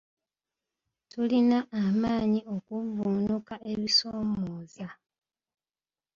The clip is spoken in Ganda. Tulina amaanyi okuvvuunuka ebisoomooza.